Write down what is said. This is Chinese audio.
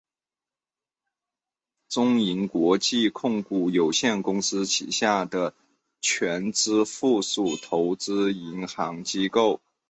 中银国际控股有限公司旗下的全资附属投资银行机构。